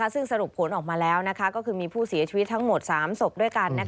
ซึ่งสรุปผลออกมาแล้วก็คือมีผู้เสียชีวิตทั้งหมด๓ศพด้วยกัน